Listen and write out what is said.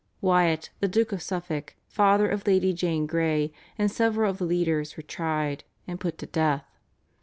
Wyatt, the Duke of Suffolk, father of Lady Jane Grey, and several of the leaders were tried and put to death.